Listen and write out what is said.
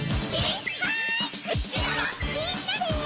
みんなで！